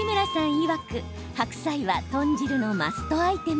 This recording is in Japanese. いわく白菜は豚汁のマストアイテム。